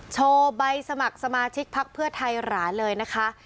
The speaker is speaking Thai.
โชว์ใบสมัครสมาชิกพักเพื่อไทยหราเลยนะคะ